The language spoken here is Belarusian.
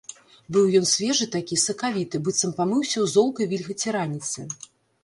Быў ён свежы такі, сакавіты, быццам памыўся ў золкай вільгаці раніцы.